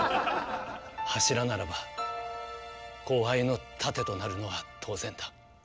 柱ならば後輩の盾となるのは当然だ。